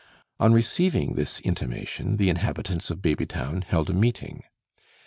On receiving this intimation, the inhabitants of Babytown held a meeting.